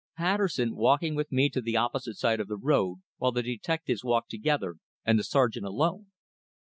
Patterson walking with me to the opposite side of the road, while the detectives walked together, and the sergeant alone.